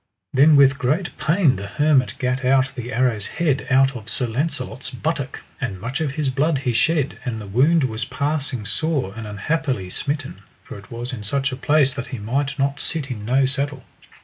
Then with great pain the hermit gat out the arrow's head out of Sir Launcelot's buttock, and much of his blood he shed, and the wound was passing sore, and unhappily smitten, for it was in such a place that he might not sit in no saddle.